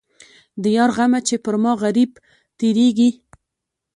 د یار غمه چې پر ما غريب تېرېږي.